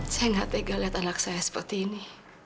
saya nggak tega lihat anak saya seperti ini